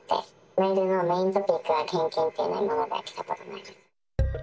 メールのメイントピックが献金、今までは来たことないです。